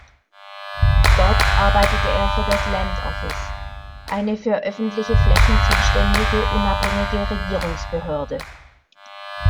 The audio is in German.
Dort arbeitete er für das Land Office, eine für öffentliche Flächen zuständige unabhängige Regierungsbehörde.